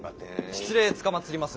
失礼つかまつります。